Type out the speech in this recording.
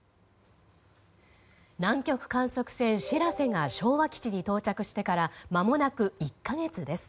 南極観測船「しらせ」が昭和基地に到着してからまもなく１か月です。